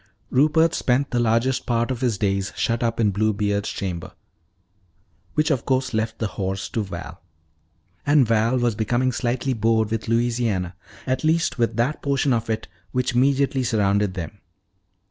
Rupert spent the largest part of his days shut up in Bluebeard's chamber. Which of course left the horse to Val. And Val was becoming slightly bored with Louisiana, at least with that portion of it which immediately surrounded them.